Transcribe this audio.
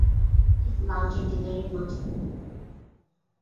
ঠিক লাঞ্চ আর ডিনারের মাঝখানে।